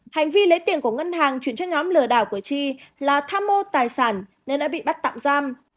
hành vi lấy tiền của ngân hàng chuyển cho nhóm lừa đảo của chi là tham mô tài sản nên đã bị bắt tạm giam